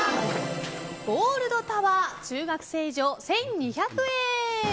ゴールドタワー中学生以上１２００円。